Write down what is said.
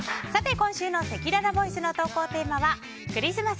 今週のせきららボイスの投稿テーマはクリスマス！